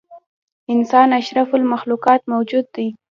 انسان اشرف المخلوق موجود دی.